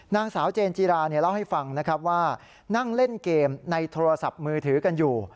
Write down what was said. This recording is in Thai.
นางสาวเจนจิราเล่าให้ฟังนะครับว่านั่งเล่นเกมในโทรศัพท์มือถือกันอยู่